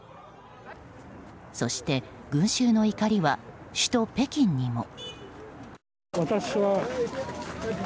そして、群衆の怒りは首都・北京にも。